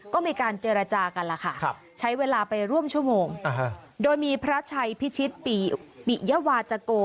ก็มีการเจรจากันล่ะค่ะใช้เวลาไปร่วมชั่วโมงโดยมีพระชัยพิชิตปิยวาจโก